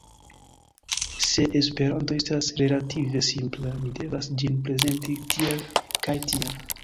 Se Esperanto estas relative simpla, ni devas ĝin prezenti tiel kaj tia.